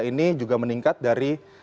ini juga meningkat dari